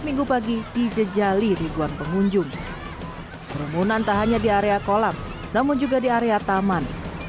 minggu pagi dijejali ribuan pengunjung kerumunan tak hanya di area kolam namun juga di area taman